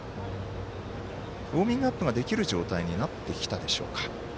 ウォーミングアップができる状態になったでしょうか。